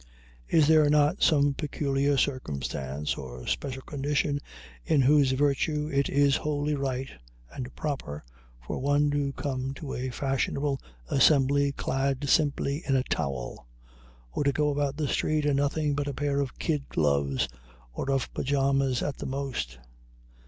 Is there not some peculiar circumstance or special condition in whose virtue it is wholly right and proper for one to come to a fashionable assembly clad simply in a towel, or to go about the street in nothing but a pair of kid gloves, or of pajamas at the most?